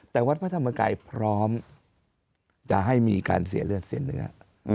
แต่วัดพระธรรมกายพร้อมจะให้มีการเสียเลือดเสียเนื้อ